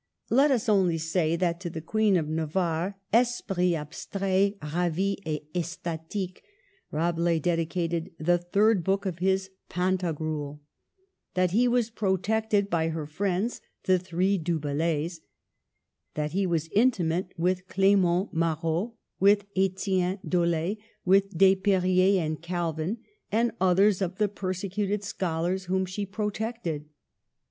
Let us only say that to the Queen of Navarre, Esprit abstraict ravy et estatic, Rabelais dedicated the third book of his '* Pantagruel ;" that he was protected by her friends the three Du Bel lays; that he was intimate with Clement Marot, with Etienne Dolet, with Desperriers and Calvin, and others of the persecuted scholars whom she protected.